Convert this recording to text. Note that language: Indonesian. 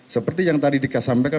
seperti yang tadi dikasampaikan